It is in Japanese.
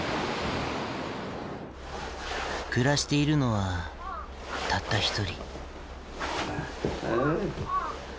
暮らしているのはたった一人。